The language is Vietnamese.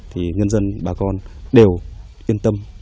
thì nhân dân bà con đều yên tâm